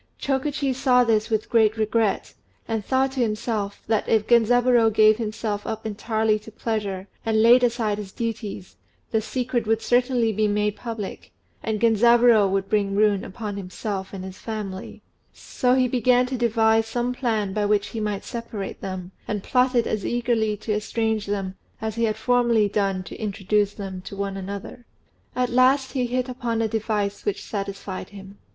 Chokichi saw this with great regret, and thought to himself that if Genzaburô gave himself up entirely to pleasure, and laid aside his duties, the secret would certainly be made public, and Genzaburô would bring ruin on himself and his family; so he began to devise some plan by which he might separate them, and plotted as eagerly to estrange them as he had formerly done to introduce them to one another. At last he hit upon a device which satisfied him.